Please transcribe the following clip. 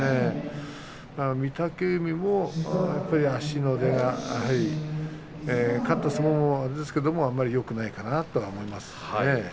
御嶽海も足の出が勝った相撲もそうですがあまりよくないなと思いますね。